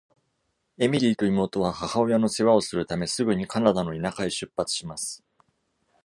エミリーと妹は母親の世話をするため、すぐにカナダの田舎へ出発します。